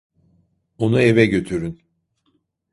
Onu eve götürün.